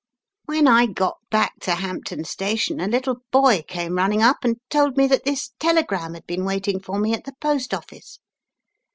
"When I got back to Hampton Station, a little boy came running up, and told me that this telegram had been waiting for me at the post office.